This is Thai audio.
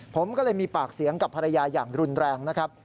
ผมก็เลยมีปากเสียงกับภรรยาอย่างรุนแรงนะครับ